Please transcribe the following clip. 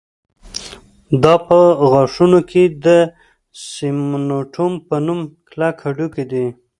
دا په غاښونو کې د سېمنټوم په نوم کلک هډوکی دی